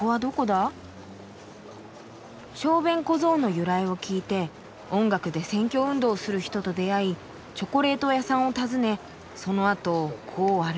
小便小僧の由来を聞いて音楽で選挙運動する人と出会いチョコレート屋さんを訪ねそのあとこう歩いてきて今はここ。